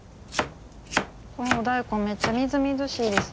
このお大根めっちゃみずみずしいです。